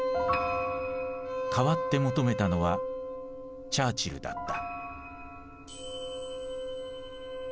かわって求めたのはチャーチルだった。